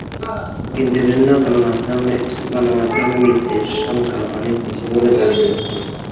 কিন্তু বিভিন্ন গণমাধ্যমে মৃতের সংখ্যা অনেক বেশি বলে দাবি করা হয়েছে।